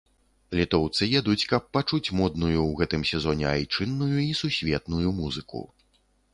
Літоўцы едуць, каб пачуць модную ў гэтым сезоне айчынную і сусветную музыку.